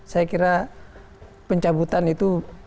saya kira pencabutan itu